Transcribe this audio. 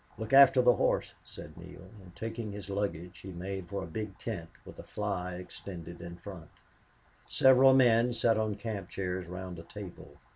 "Look after the horse," said Neale, and, taking his luggage, he made for a big tent with a fly extended in front. Several men sat on camp chairs round a table.